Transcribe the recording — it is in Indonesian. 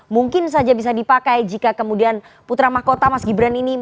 mungkin saja bisa dipakai jika kemudian putra mahkota mas gibran ini